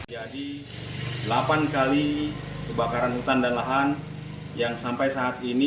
jadi delapan kali kebakaran hutan dan lahan yang sampai saat ini